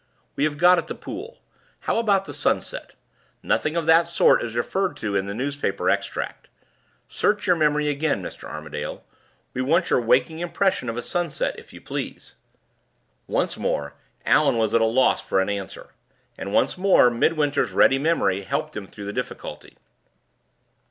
We have got at the pool. How about the sunset? Nothing of that sort is referred to in the newspaper extract. Search your memory again, Mr. Armadale; we want your waking impression of a sunset, if you please." Once more, Allan was at a loss for an answer; and, once more, Midwinter's ready memory helped him through the difficulty.